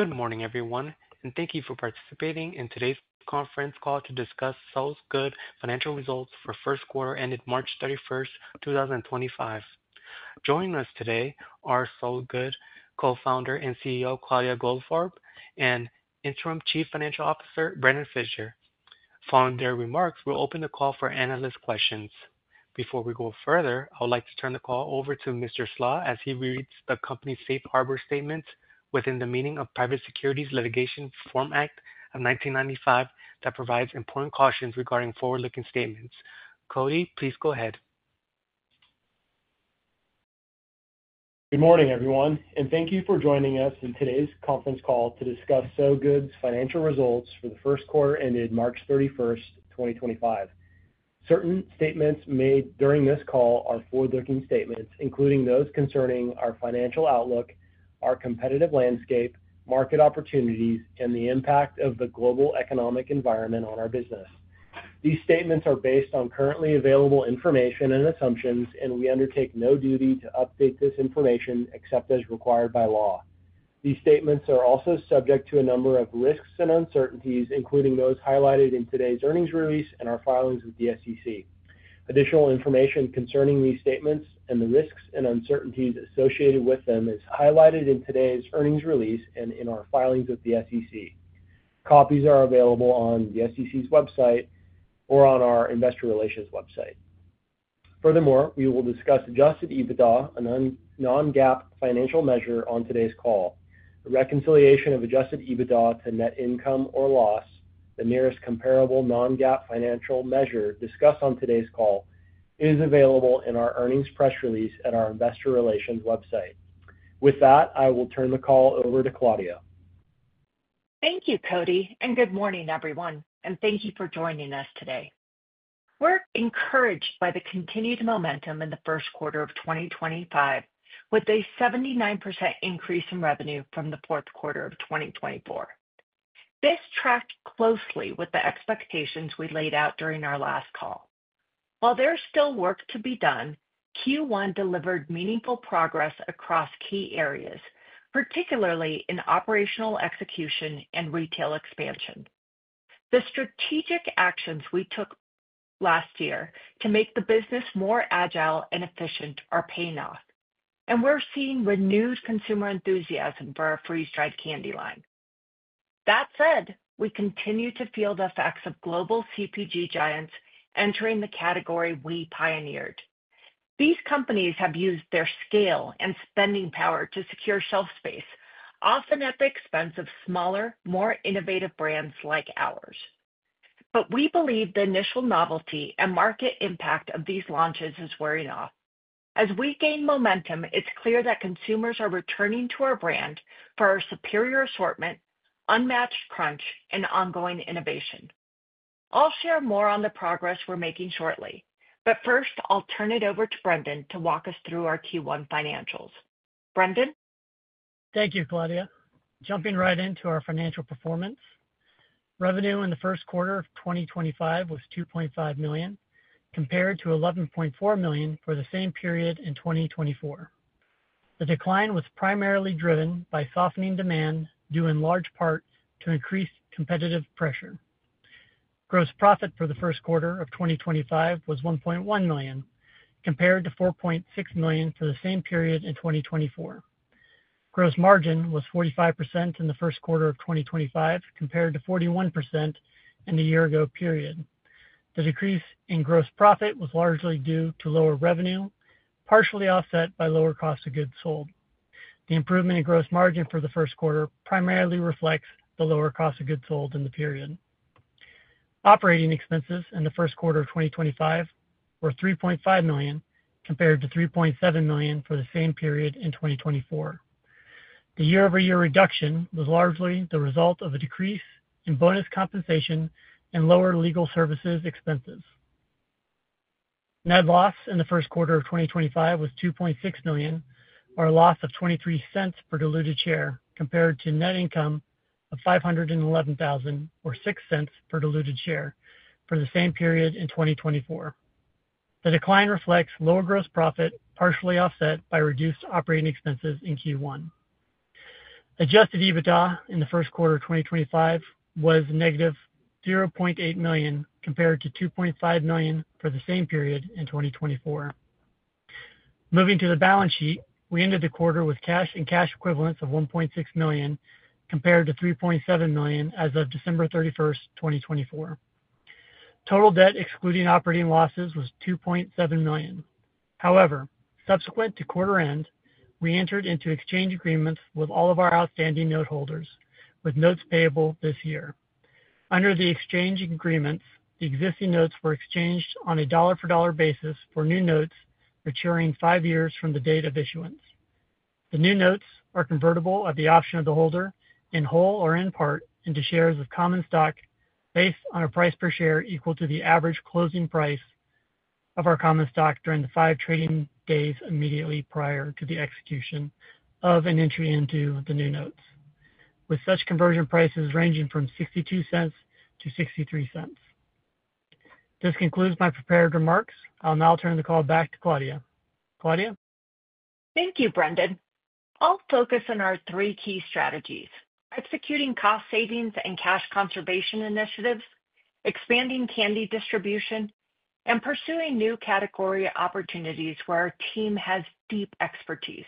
Good morning, everyone, and thank you for participating in today's conference call to discuss Sow Good's financial results for the first quarter ended March 31, 2025. Joining us today are Sow Good co-founder and CEO Claudia Goldfarb and Interim Chief Financial Officer Brendon Fischer. Following their remarks, we'll open the call for analyst questions. Before we go further, I would like to turn the call over to Mr. Slach as he reads the company's safe harbor statement within the meaning of the Private Securities Litigation Reform Act of 1995 that provides important cautions regarding forward-looking statements. Cody, please go ahead. Good morning, everyone, and thank you for joining us in today's conference call to discuss Sow Good's financial results for the first quarter ended March 31, 2025. Certain statements made during this call are forward-looking statements, including those concerning our financial outlook, our competitive landscape, market opportunities, and the impact of the global economic environment on our business. These statements are based on currently available information and assumptions, and we undertake no duty to update this information except as required by law. These statements are also subject to a number of risks and uncertainties, including those highlighted in today's earnings release and our filings with the SEC. Additional information concerning these statements and the risks and uncertainties associated with them is highlighted in today's earnings release and in our filings with the SEC. Copies are available on the SEC's website or on our investor relations website. Furthermore, we will discuss adjusted EBITDA, a non-GAAP financial measure, on today's call. The reconciliation of adjusted EBITDA to net income or loss, the nearest comparable non-GAAP financial measure discussed on today's call, is available in our earnings press release at our investor relations website. With that, I will turn the call over to Claudia. Thank you, Cody, and good morning, everyone, and thank you for joining us today. We're encouraged by the continued momentum in the first quarter of 2025 with a 79% increase in revenue from the fourth quarter of 2024. This tracked closely with the expectations we laid out during our last call. While there's still work to be done, Q1 delivered meaningful progress across key areas, particularly in operational execution and retail expansion. The strategic actions we took last year to make the business more agile and efficient are paying off, and we're seeing renewed consumer enthusiasm for our freeze-dried candy line. That said, we continue to feel the effects of global CPG giants entering the category we pioneered. These companies have used their scale and spending power to secure shelf space, often at the expense of smaller, more innovative brands like ours. We believe the initial novelty and market impact of these launches is wearing off. As we gain momentum, it's clear that consumers are returning to our brand for our superior assortment, unmatched crunch, and ongoing innovation. I'll share more on the progress we're making shortly, but first, I'll turn it over to Brendon to walk us through our Q1 financials. Brendon. Thank you, Claudia. Jumping right into our financial performance, revenue in the first quarter of 2025 was $2.5 million compared to $11.4 million for the same period in 2024. The decline was primarily driven by softening demand due in large part to increased competitive pressure. Gross profit for the first quarter of 2025 was $1.1 million compared to $4.6 million for the same period in 2024. Gross margin was 45% in the first quarter of 2025 compared to 41% in the year-ago period. The decrease in gross profit was largely due to lower revenue, partially offset by lower cost of goods sold. The improvement in gross margin for the first quarter primarily reflects the lower cost of goods sold in the period. Operating expenses in the first quarter of 2025 were $3.5 million compared to $3.7 million for the same period in 2024. The year-over-year reduction was largely the result of a decrease in bonus compensation and lower legal services expenses. Net loss in the first quarter of 2025 was $2.6 million, or a loss of $0.23 per diluted share, compared to net income of $511,000, or $0.06 per diluted share for the same period in 2024. The decline reflects lower gross profit, partially offset by reduced operating expenses in Q1. Adjusted EBITDA in the first quarter of 2025 was negative $0.8 million compared to $2.5 million for the same period in 2024. Moving to the balance sheet, we ended the quarter with cash and cash equivalents of $1.6 million compared to $3.7 million as of December 31, 2024. Total debt excluding operating losses was $2.7 million. However, subsequent to quarter end, we entered into exchange agreements with all of our outstanding noteholders, with notes payable this year. Under the exchange agreements, the existing notes were exchanged on a dollar-for-dollar basis for new notes maturing five years from the date of issuance. The new notes are convertible at the option of the holder in whole or in part into shares of common stock based on a price per share equal to the average closing price of our common stock during the five trading days immediately prior to the execution of and entry into the new notes, with such conversion prices ranging from $0.62-$0.63. This concludes my prepared remarks. I'll now turn the call back to Claudia. Claudia. Thank you, Brendon. I'll focus on our three key strategies: executing cost savings and cash conservation initiatives, expanding candy distribution, and pursuing new category opportunities where our team has deep expertise.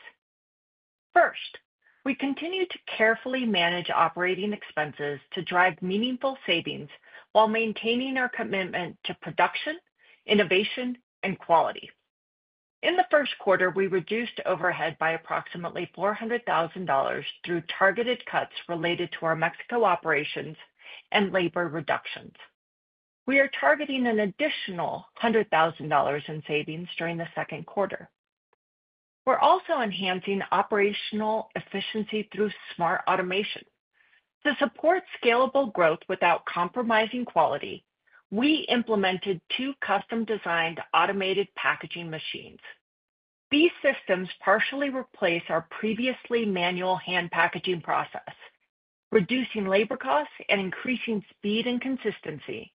First, we continue to carefully manage operating expenses to drive meaningful savings while maintaining our commitment to production, innovation, and quality. In the first quarter, we reduced overhead by approximately $400,000 through targeted cuts related to our Mexico operations and labor reductions. We are targeting an additional $100,000 in savings during the second quarter. We're also enhancing operational efficiency through smart automation. To support scalable growth without compromising quality, we implemented two custom-designed automated packaging machines. These systems partially replace our previously manual hand packaging process, reducing labor costs and increasing speed and consistency,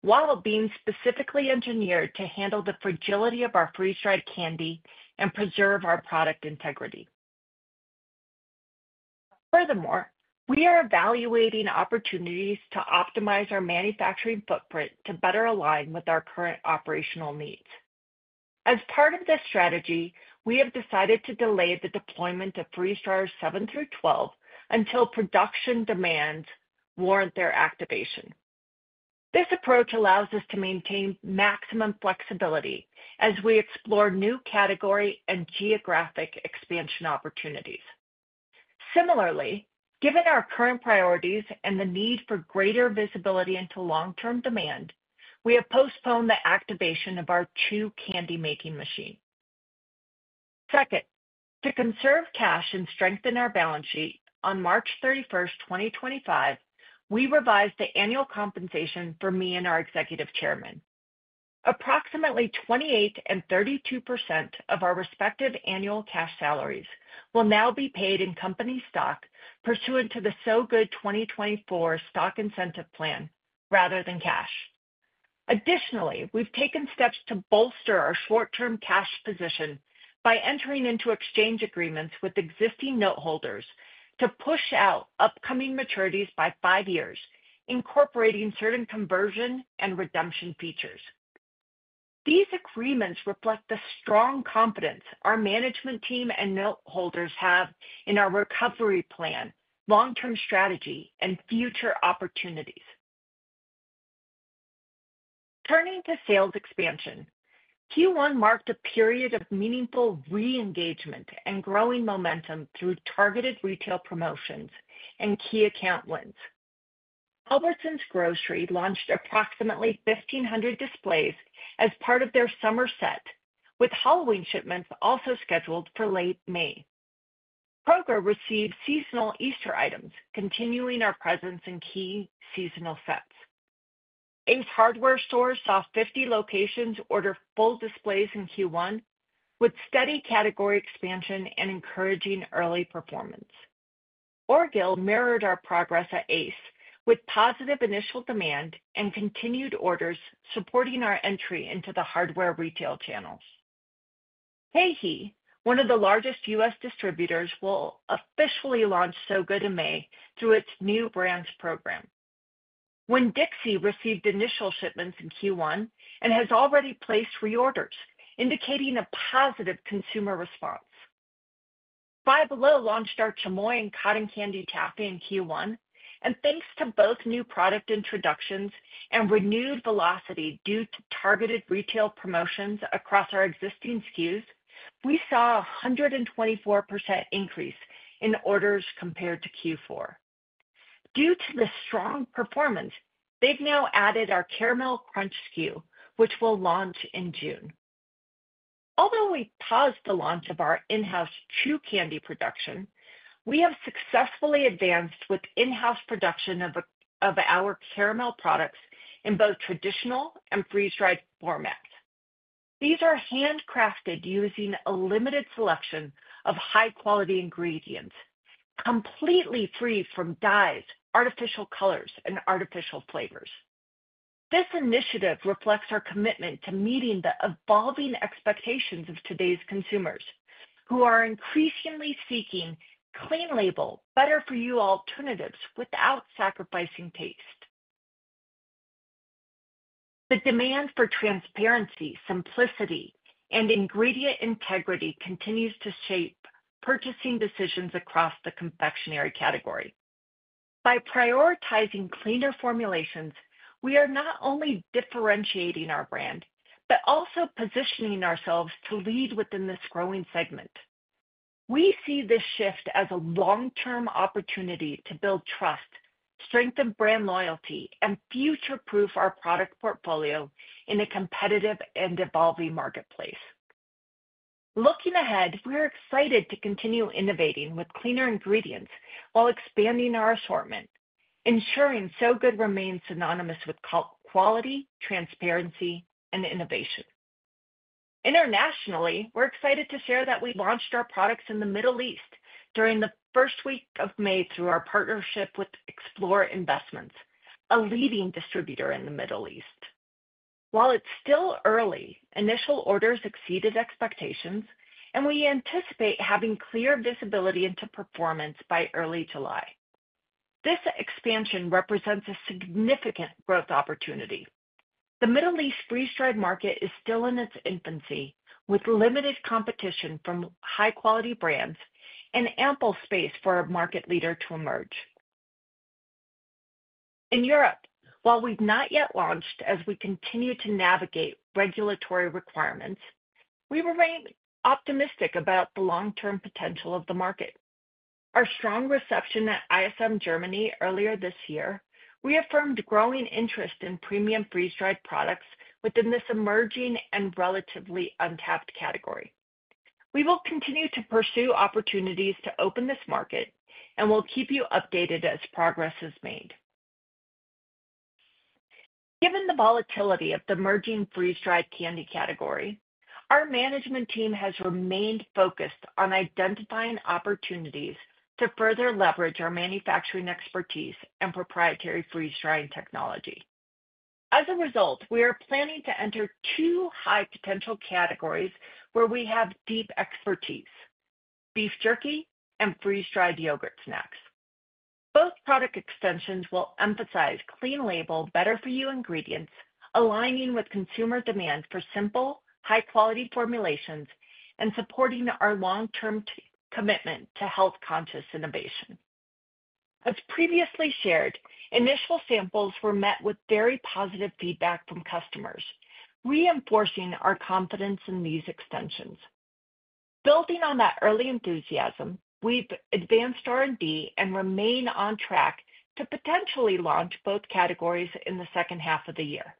while being specifically engineered to handle the fragility of our freeze-dried candy and preserve our product integrity. Furthermore, we are evaluating opportunities to optimize our manufacturing footprint to better align with our current operational needs. As part of this strategy, we have decided to delay the deployment of freeze-dried 7 through 12 until production demands warrant their activation. This approach allows us to maintain maximum flexibility as we explore new category and geographic expansion opportunities. Similarly, given our current priorities and the need for greater visibility into long-term demand, we have postponed the activation of our two candy-making machines. Second, to conserve cash and strengthen our balance sheet, on March 31, 2025, we revised the annual compensation for me and our Executive Chairman. Approximately 28% and 32% of our respective annual cash salaries will now be paid in company stock pursuant to the Sow Good 2024 stock incentive plan rather than cash. Additionally, we've taken steps to bolster our short-term cash position by entering into exchange agreements with existing noteholders to push out upcoming maturities by five years, incorporating certain conversion and redemption features. These agreements reflect the strong confidence our management team and noteholders have in our recovery plan, long-term strategy, and future opportunities. Turning to sales expansion, Q1 marked a period of meaningful re-engagement and growing momentum through targeted retail promotions and key account wins. Albertsons Grocery launched approximately 1,500 displays as part of their summer set, with Halloween shipments also scheduled for late May. Kroger received seasonal Easter items, continuing our presence in key seasonal sets. Ace Hardware saw 50 locations order full displays in Q1, with steady category expansion and encouraging early performance. Orgill mirrored our progress at Ace with positive initial demand and continued orders supporting our entry into the hardware retail channels. H-E-B, one of the largest U.S. distributors, will officially launch Sow Good in May through its new brands program. Winn-Dixie received initial shipments in Q1 and has already placed reorders, indicating a positive consumer response. Five Below launched our Chamoy and Cotton Candy Cafe in Q1, and thanks to both new product introductions and renewed velocity due to targeted retail promotions across our existing SKUs, we saw a 124% increase in orders compared to Q4. Due to the strong performance, they've now added our Caramel Crunch SKU, which will launch in June. Although we paused the launch of our in-house chew candy production, we have successfully advanced with in-house production of our caramel products in both traditional and freeze-dried format. These are handcrafted using a limited selection of high-quality ingredients, completely free from dyes, artificial colors, and artificial flavors. This initiative reflects our commitment to meeting the evolving expectations of today's consumers, who are increasingly seeking clean-label, better-for-you alternatives without sacrificing taste. The demand for transparency, simplicity, and ingredient integrity continues to shape purchasing decisions across the confectionery category. By prioritizing cleaner formulations, we are not only differentiating our brand but also positioning ourselves to lead within this growing segment. We see this shift as a long-term opportunity to build trust, strengthen brand loyalty, and future-proof our product portfolio in a competitive and evolving marketplace. Looking ahead, we're excited to continue innovating with cleaner ingredients while expanding our assortment, ensuring Sow Good remains synonymous with quality, transparency, and innovation. Internationally, we're excited to share that we launched our products in the Middle East during the first week of May through our partnership with Explore Investments, a leading distributor in the Middle East. While it's still early, initial orders exceeded expectations, and we anticipate having clear visibility into performance by early July. This expansion represents a significant growth opportunity. The Middle East freeze-dried market is still in its infancy, with limited competition from high-quality brands and ample space for a market leader to emerge. In Europe, while we've not yet launched as we continue to navigate regulatory requirements, we remain optimistic about the long-term potential of the market. Our strong reception at ISM Germany earlier this year reaffirmed growing interest in premium freeze-dried products within this emerging and relatively untapped category. We will continue to pursue opportunities to open this market, and we'll keep you updated as progress is made. Given the volatility of the emerging freeze-dried candy category, our management team has remained focused on identifying opportunities to further leverage our manufacturing expertise and proprietary freeze-drying technology. As a result, we are planning to enter two high-potential categories where we have deep expertise: beef jerky and freeze-dried yogurt snacks. Both product extensions will emphasize clean-label, better-for-you ingredients, aligning with consumer demand for simple, high-quality formulations and supporting our long-term commitment to health-conscious innovation. As previously shared, initial samples were met with very positive feedback from customers, reinforcing our confidence in these extensions. Building on that early enthusiasm, we've advanced R&D and remain on track to potentially launch both categories in the second half of the year.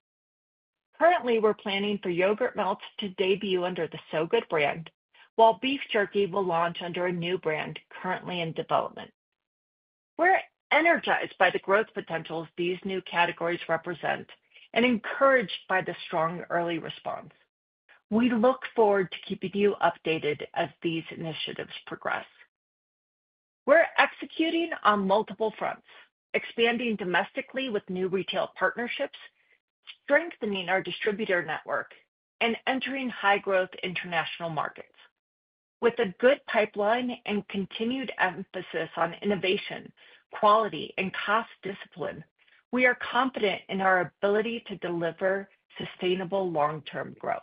Currently, we're planning for yogurt melts to debut under the Sow Good brand, while beef jerky will launch under a new brand currently in development. We're energized by the growth potentials these new categories represent and encouraged by the strong early response. We look forward to keeping you updated as these initiatives progress. We're executing on multiple fronts, expanding domestically with new retail partnerships, strengthening our distributor network, and entering high-growth international markets. With a good pipeline and continued emphasis on innovation, quality, and cost discipline, we are confident in our ability to deliver sustainable long-term growth.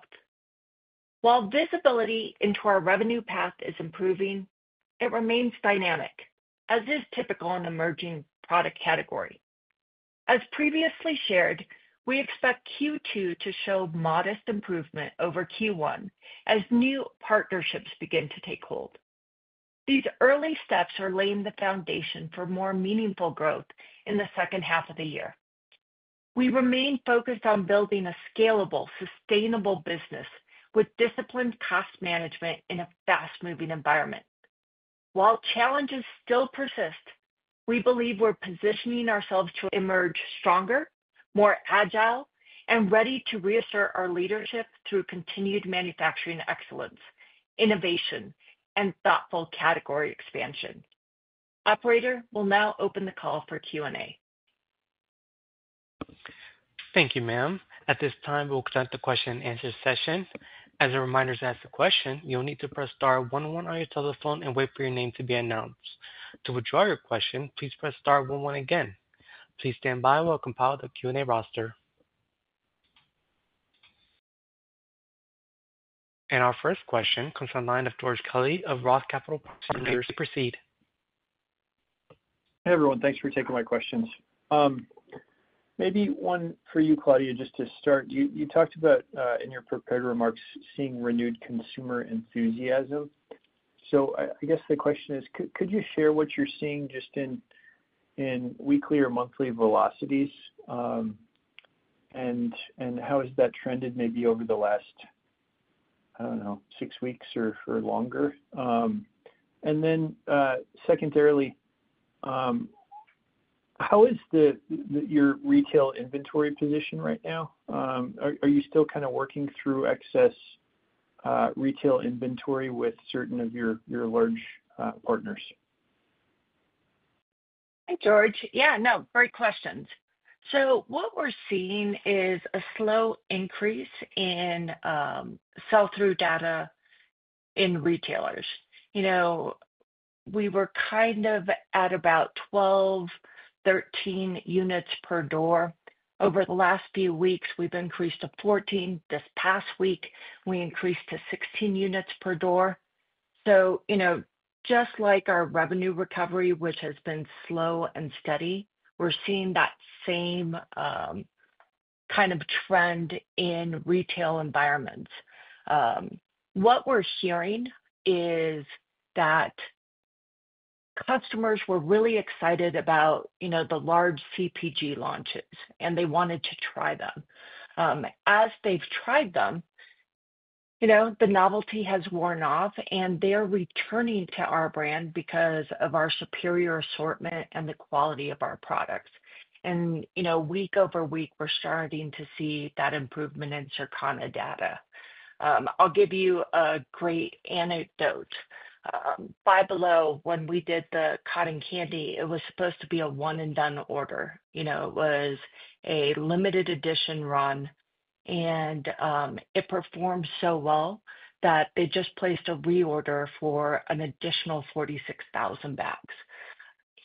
While visibility into our revenue path is improving, it remains dynamic, as is typical in an emerging product category. As previously shared, we expect Q2 to show modest improvement over Q1 as new partnerships begin to take hold. These early steps are laying the foundation for more meaningful growth in the second half of the year. We remain focused on building a scalable, sustainable business with disciplined cost management in a fast-moving environment. While challenges still persist, we believe we're positioning ourselves to emerge stronger, more agile, and ready to reassert our leadership through continued manufacturing excellence, innovation, and thoughtful category expansion. Operator will now open the call for Q&A. Thank you, ma'am. At this time, we'll conduct the question-and-answer session. As a reminder, to ask a question, you'll need to press Star 101 on your telephone and wait for your name to be announced. To withdraw your question, please press Star 101 again. Please stand by while I compile the Q&A roster. Our first question comes from the line of George Kelly of Roth Capital Partners. Proceed. Hey, everyone. Thanks for taking my questions. Maybe one for you, Claudia, just to start. You talked about in your prepared remarks seeing renewed consumer enthusiasm. I guess the question is, could you share what you're seeing just in weekly or monthly velocities, and how has that trended maybe over the last, I don't know, six weeks or longer? Secondarily, how is your retail inventory position right now? Are you still kind of working through excess retail inventory with certain of your large partners? Hi, George. Yeah, no, great questions. What we're seeing is a slow increase in sell-through data in retailers. We were kind of at about 12, 13 units per door. Over the last few weeks, we've increased to 14 units. This past week, we increased to 16 units per door. Just like our revenue recovery, which has been slow and steady, we're seeing that same kind of trend in retail environments. What we're hearing is that customers were really excited about the large CPG launches, and they wanted to try them. As they've tried them, the novelty has worn off, and they're returning to our brand because of our superior assortment and the quality of our products. Week over week, we're starting to see that improvement in Circana data. I'll give you a great anecdote. Five Below, when we did the Cotton Candy, it was supposed to be a one-and-done order. It was a limited-edition run, and it performed so well that they just placed a reorder for an additional 46,000 bags.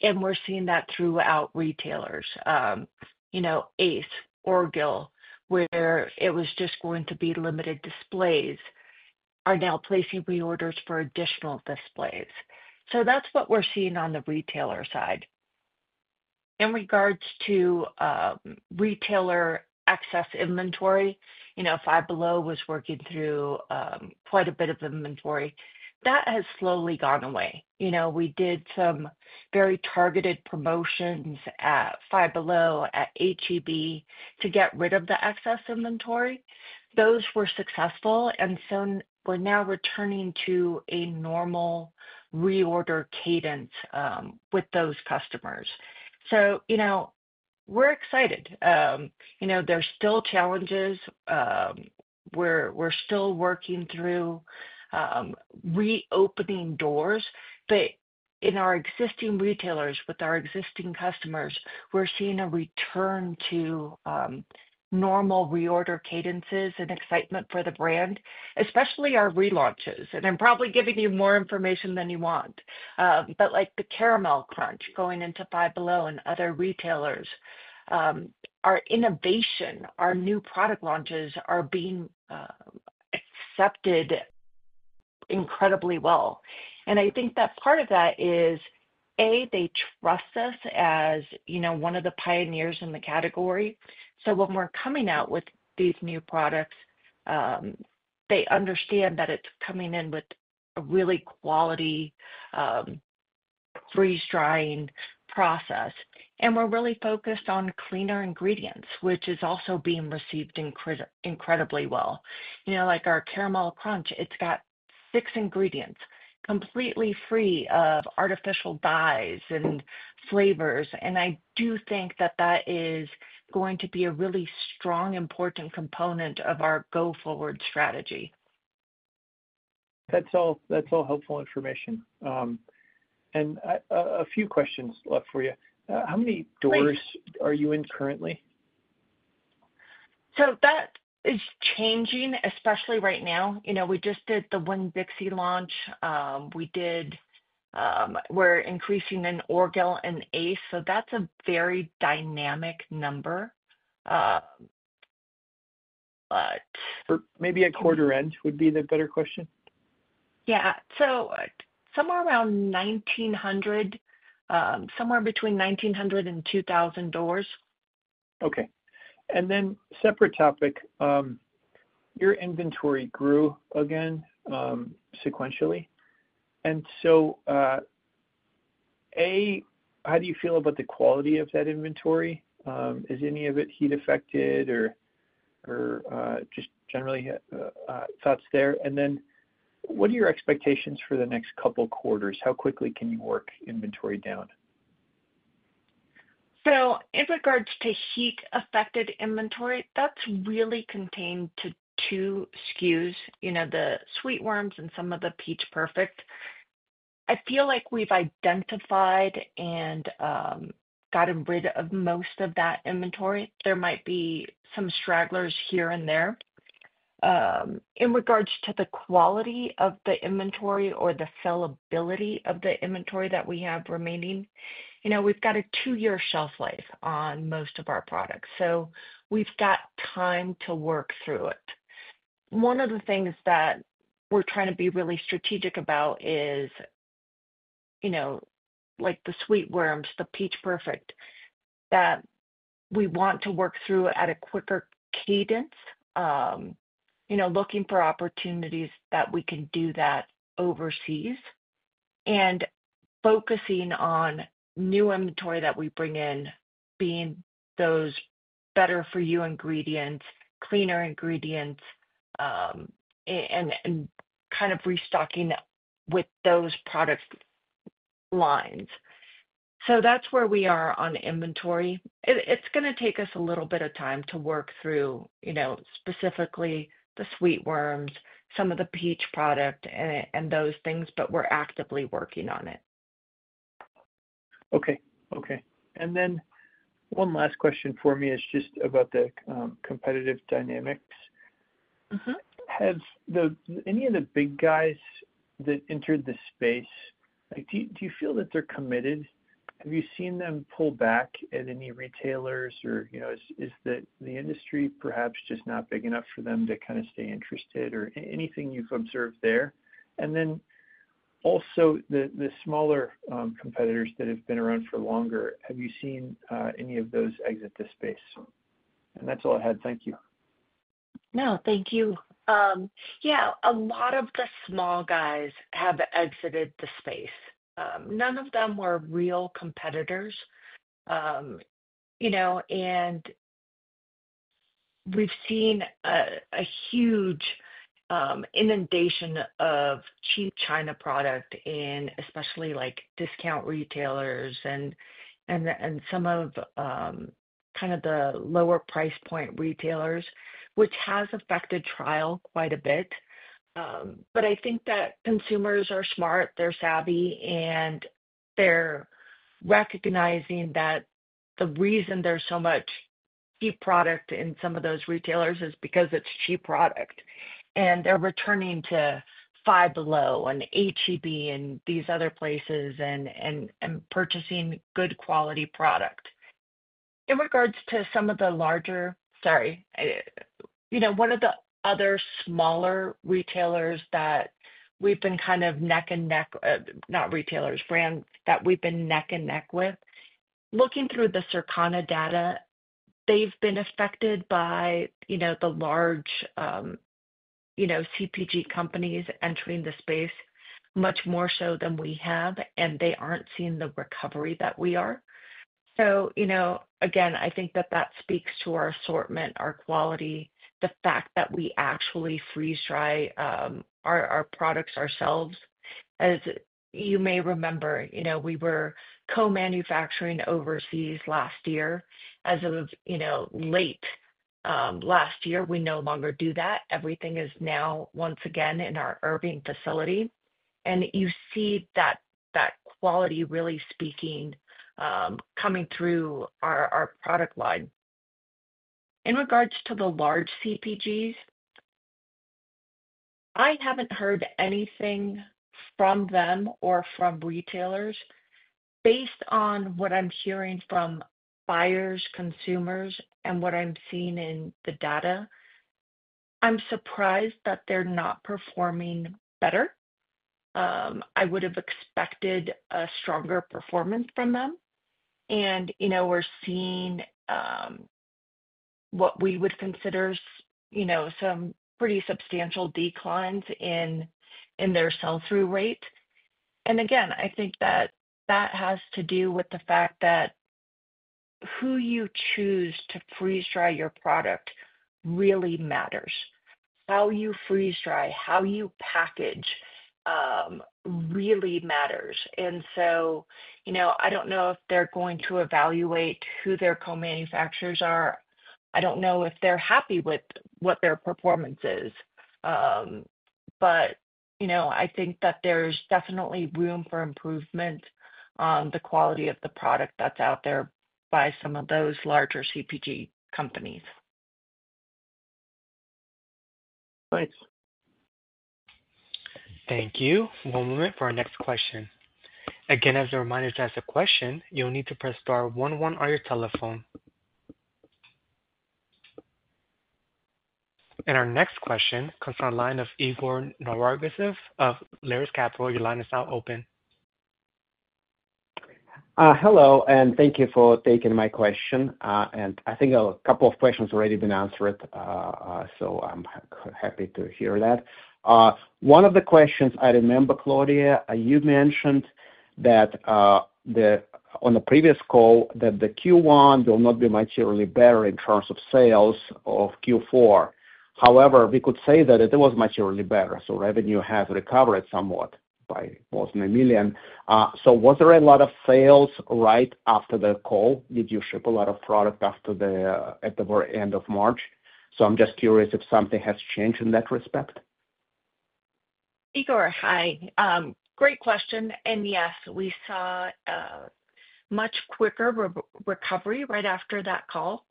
We are seeing that throughout retailers. Ace, Orgill, where it was just going to be limited displays, are now placing reorders for additional displays. That is what we are seeing on the retailer side. In regards to retailer excess inventory, Five Below was working through quite a bit of inventory. That has slowly gone away. We did some very targeted promotions at Five Below, at H-E-B to get rid of the excess inventory. Those were successful, and we are now returning to a normal reorder cadence with those customers. We are excited. There are still challenges. We are still working through reopening doors. In our existing retailers, with our existing customers, we're seeing a return to normal reorder cadences and excitement for the brand, especially our relaunches. I'm probably giving you more information than you want, but like the Caramel Crunch going into Five Below and other retailers, our innovation, our new product launches are being accepted incredibly well. I think that part of that is, A, they trust us as one of the pioneers in the category. When we're coming out with these new products, they understand that it's coming in with a really quality freeze-drying process. We're really focused on cleaner ingredients, which is also being received incredibly well. Like our Caramel Crunch, it's got six ingredients completely free of artificial dyes and flavors. I do think that that is going to be a really strong, important component of our go-forward strategy. That's all helpful information. A few questions left for you. How many doors are you in currently? That is changing, especially right now. We just did the Winn-Dixie launch. We're increasing in Orgill and Ace, so that's a very dynamic number. Or maybe at quarter-end would be the better question. Yeah. Somewhere around 1,900, somewhere between 1,900 and 2,000 doors. Okay. And then separate topic, your inventory grew again sequentially. A, how do you feel about the quality of that inventory? Is any of it heat-affected or just generally thoughts there? What are your expectations for the next couple of quarters? How quickly can you work inventory down? In regards to heat-affected inventory, that's really contained to two SKUs, the Sweet Worms and some of the Peach Perfect. I feel like we've identified and gotten rid of most of that inventory. There might be some stragglers here and there. In regards to the quality of the inventory or the sellability of the inventory that we have remaining, we've got a two-year shelf life on most of our products. We've got time to work through it. One of the things that we're trying to be really strategic about is like the Sweet Worms, the Peach Perfect, that we want to work through at a quicker cadence, looking for opportunities that we can do that overseas and focusing on new inventory that we bring in being those better-for-you ingredients, cleaner ingredients, and kind of restocking with those product lines. That's where we are on inventory. It's going to take us a little bit of time to work through specifically the Sweet Worms, some of the Peach Perfect product, and those things, but we're actively working on it. Okay. Okay. One last question for me is just about the competitive dynamics. Have any of the big guys that entered the space, do you feel that they're committed? Have you seen them pull back at any retailers, or is the industry perhaps just not big enough for them to kind of stay interested or anything you've observed there? Also, the smaller competitors that have been around for longer, have you seen any of those exit the space? That's all I had. Thank you. No, thank you. Yeah, a lot of the small guys have exited the space. None of them were real competitors. We have seen a huge inundation of cheap China product in especially discount retailers and some of the lower-price point retailers, which has affected trial quite a bit. I think that consumers are smart. They are savvy, and they are recognizing that the reason there is so much cheap product in some of those retailers is because it is cheap product. They are returning to Five Below and H-E-B and these other places and purchasing good quality product. In regards to some of the larger—sorry. One of the other smaller retailers that we have been kind of neck and neck—not retailers, brands—that we have been neck and neck with. Looking through the Circana data, they've been affected by the large CPG companies entering the space much more so than we have, and they aren't seeing the recovery that we are. I think that that speaks to our assortment, our quality, the fact that we actually freeze-dry our products ourselves. As you may remember, we were co-manufacturing overseas last year. As of late last year, we no longer do that. Everything is now once again in our Irving facility. You see that quality really coming through our product line. In regards to the large CPGs, I haven't heard anything from them or from retailers. Based on what I'm hearing from buyers, consumers, and what I'm seeing in the data, I'm surprised that they're not performing better. I would have expected a stronger performance from them. We are seeing what we would consider some pretty substantial declines in their sell-through rate. I think that has to do with the fact that who you choose to freeze-dry your product really matters. How you freeze-dry, how you package really matters. I do not know if they are going to evaluate who their co-manufacturers are. I do not know if they are happy with what their performance is. I think that there is definitely room for improvement on the quality of the product that is out there by some of those larger CPG companies. Thanks. Thank you. One moment for our next question. Again, as a reminder, to ask a question, you'll need to press Star 101 on your telephone. Our next question comes from the line of Igor Novgorodtsev of Lares Capital. Your line is now open. Hello, and thank you for taking my question. I think a couple of questions have already been answered, so I'm happy to hear that. One of the questions I remember, Claudia, you mentioned that on the previous call that the Q1 will not be materially better in terms of sales of Q4. However, we could say that it was materially better. Revenue has recovered somewhat by more than a million. Was there a lot of sales right after the call? Did you ship a lot of product at the very end of March? I'm just curious if something has changed in that respect. Igor, hi. Great question. Yes, we saw a much quicker recovery right after that call.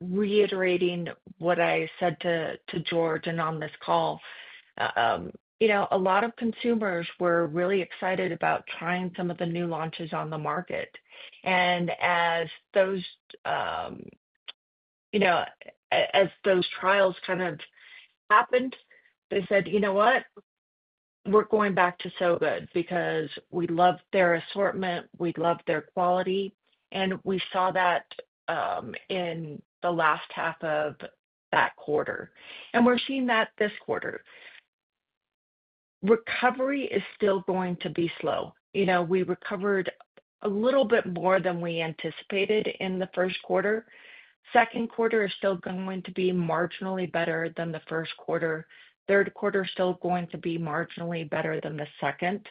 Reiterating what I said to George and on this call, a lot of consumers were really excited about trying some of the new launches on the market. As those trials kind of happened, they said, "You know what? We're going back to Sow Good because we love their assortment. We love their quality." We saw that in the last half of that quarter. We are seeing that this quarter. Recovery is still going to be slow. We recovered a little bit more than we anticipated in the first quarter. Second quarter is still going to be marginally better than the first quarter. Third quarter is still going to be marginally better than the second.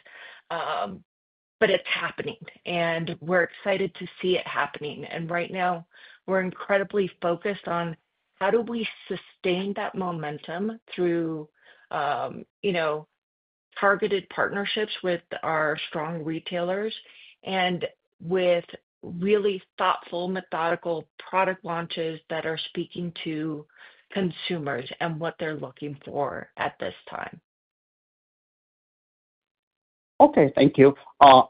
It is happening, and we are excited to see it happening. Right now, we're incredibly focused on how do we sustain that momentum through targeted partnerships with our strong retailers and with really thoughtful, methodical product launches that are speaking to consumers and what they're looking for at this time. Okay. Thank you.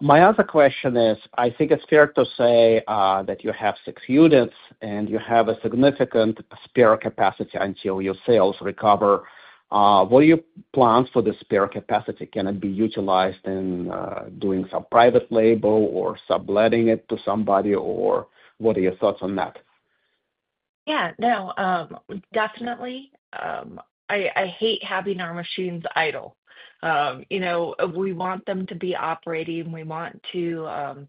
My other question is, I think it's fair to say that you have six units, and you have a significant spare capacity until your sales recover. What are your plans for the spare capacity? Can it be utilized in doing some private label or subletting it to somebody? Or what are your thoughts on that? Yeah. No, definitely. I hate having our machines idle. We want them to be operating. We want to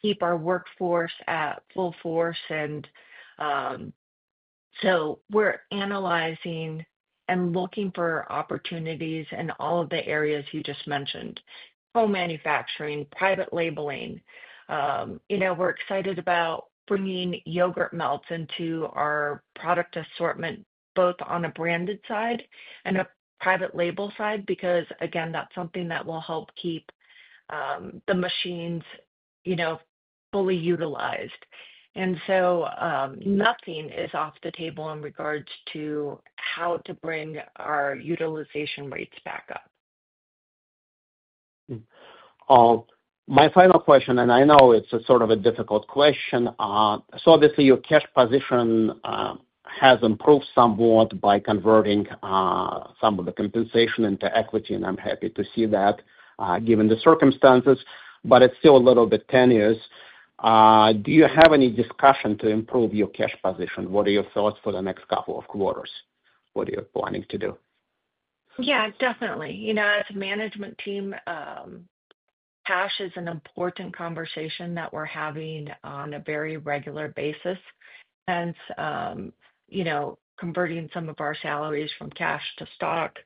keep our workforce at full force. We are analyzing and looking for opportunities in all of the areas you just mentioned: co-manufacturing, private labeling. We are excited about bringing yogurt melts into our product assortment, both on a branded side and a private label side because, again, that is something that will help keep the machines fully utilized. Nothing is off the table in regards to how to bring our utilization rates back up. My final question, and I know it's sort of a difficult question. Obviously, your cash position has improved somewhat by converting some of the compensation into equity, and I'm happy to see that given the circumstances, but it's still a little bit tenuous. Do you have any discussion to improve your cash position? What are your thoughts for the next couple of quarters? What are you planning to do? Yeah, definitely. As a management team, cash is an important conversation that we're having on a very regular basis, hence converting some of our salaries from cash to stock,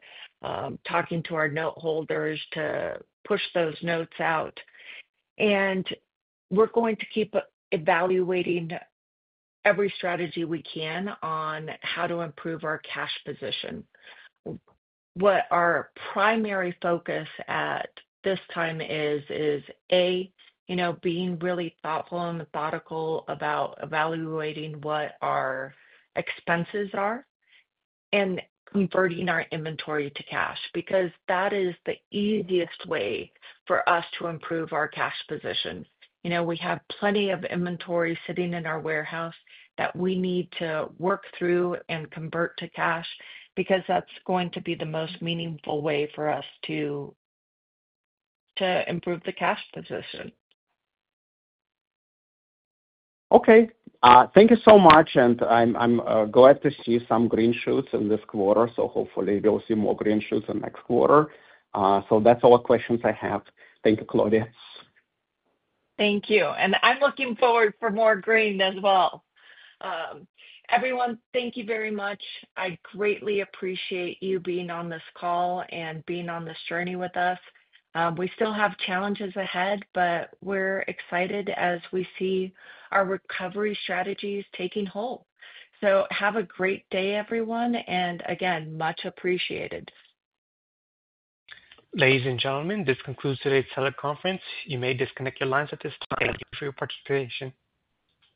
talking to our noteholders to push those notes out. We're going to keep evaluating every strategy we can on how to improve our cash position. What our primary focus at this time is, is, A, being really thoughtful and methodical about evaluating what our expenses are and converting our inventory to cash because that is the easiest way for us to improve our cash position. We have plenty of inventory sitting in our warehouse that we need to work through and convert to cash because that's going to be the most meaningful way for us to improve the cash position. Okay. Thank you so much. I'm glad to see some green shoots in this quarter. Hopefully, we'll see more green shoots in the next quarter. That's all the questions I have. Thank you, Claudia. Thank you. I'm looking forward for more green as well. Everyone, thank you very much. I greatly appreciate you being on this call and being on this journey with us. We still have challenges ahead, but we're excited as we see our recovery strategies taking hold. Have a great day, everyone. Again, much appreciated. Ladies and gentlemen, this concludes today's teleconference. You may disconnect your lines at this time. Thank you for your participation.